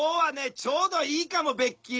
ちょうどいいかもベッキー！